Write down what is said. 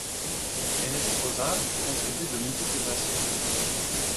Henestrosa contribue de multiples façons.